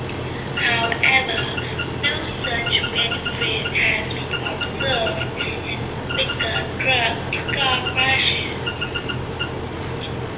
However, no such benefit has been observed in pickup truck to car crashes.